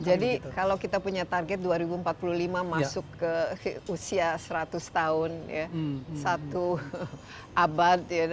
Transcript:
kalau kita punya target dua ribu empat puluh lima masuk ke usia seratus tahun satu abad